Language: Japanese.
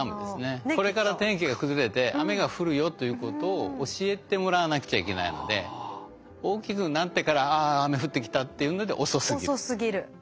これから天気が崩れて雨が降るよということを教えてもらわなくちゃいけないので大きくなってから「ああ雨降ってきた」っていうのでは遅すぎる。